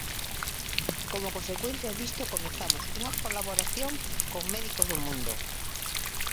Como consecuencia disto comezamos unha colaboración con Médicos do mundo.